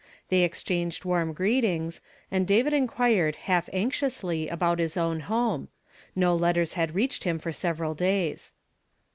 They exchanged warm greetings, and David in quired half anxiously about his own home ; no letters had reached him for several days.